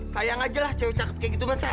sayang aja lah cewek cakep kayak gitu kan